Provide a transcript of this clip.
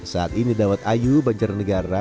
saat ini dawat ayu banjarnegara